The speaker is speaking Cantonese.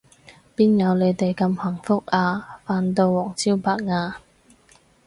邊有你哋咁幸福啊，瞓到黃朝白晏